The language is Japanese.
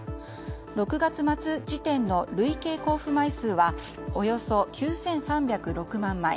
６月末時点の累計交付枚数はおよそ９３０６万枚。